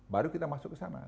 baru kita masuk ke sana